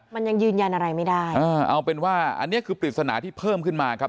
มันยังยืนยันอะไรไม่ได้อ่าเอาเป็นว่าอันนี้คือปริศนาที่เพิ่มขึ้นมาครับ